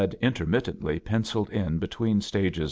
• intermittently pen_CiIU4 it between stages ■'.